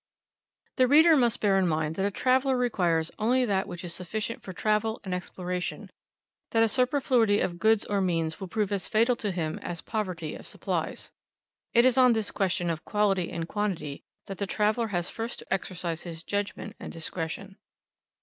The reader must bear in mind that a traveller requires only that which is sufficient for travel and exploration that a superfluity of goods or means will prove as fatal to him as poverty of supplies. It is on this question of quality and quantity that the traveller has first to exercise his judgment and discretion.